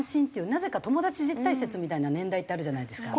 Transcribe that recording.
なぜか友達絶対説みたいな年代ってあるじゃないですか。